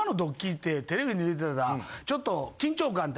テレビで見てたらちょっと。